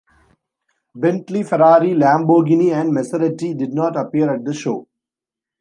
Bentley, Ferrari, Lamborghini, and Maserati did not appear at the show.